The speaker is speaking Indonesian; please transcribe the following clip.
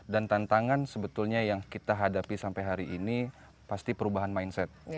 dan tantangan sebetulnya yang kita hadapi sampai hari ini pasti perubahan mindset